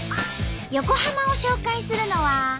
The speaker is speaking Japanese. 横浜を紹介するのは。